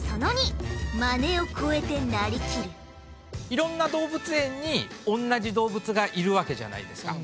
いろんな動物園に同じ動物がいるわけじゃないですか。